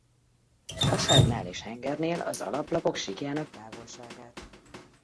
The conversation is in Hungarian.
Hasábnál és hengernél az alaplapok síkjának távolságát.